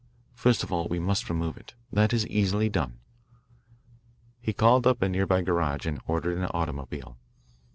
First of all, we must remove it. That is easily done." He called up a near by garage and ordered an automobile.